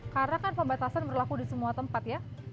karena kan pembatasan berlaku di semua tempat ya